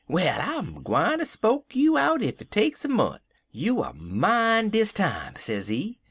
'Well, I'm gwineter smoke you out, ef it takes a mont'. You er mine dis time,' sezee.